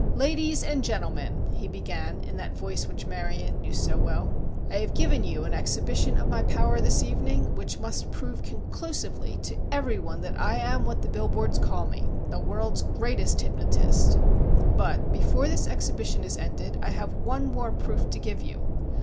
"Ladies and gentlemen," he began, in that voice which Marion knew so well, "I have given you an exhibition of my power this evening which must prove conclusively to every one that I am what the bill boards call me, 'The World's Greatest Hypnotist.' But before this exhibition is ended, I have one more proof to give you.